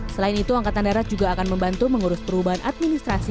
selain itu angkatan darat juga akan membantu mengurus perubahan administrasi